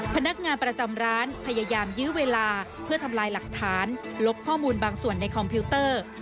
พนักงานประจำร้านพยายามยื้อเวลาเพื่อทำลายหลักฐานลบข้อมูลบางส่วนในคอมพิวเตอร์